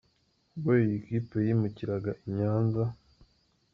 Ubwo iyi kipe yimukiraga i Nyanza,.